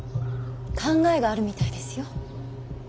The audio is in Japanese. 考えがあるみたいですよ。